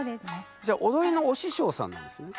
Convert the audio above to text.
じゃ踊りのお師匠さんなんですね？